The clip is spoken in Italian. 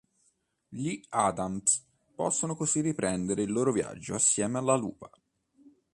Gli Adams possono così riprendere il loro viaggio assieme alla lupa.